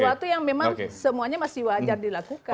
sesuatu yang memang semuanya masih wajar dilakukan